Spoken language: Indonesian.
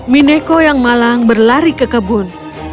mineko yang malang berlari ke kebun